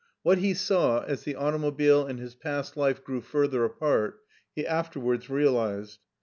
What he saw as the automobile and his past life grew fur ther apart, he afterwards realized.